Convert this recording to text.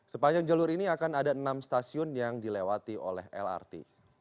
sepanjang jalur ini akan ada enam stasiun yang dilewati oleh lrt